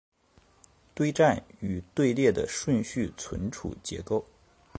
堆栈与队列的顺序存储结构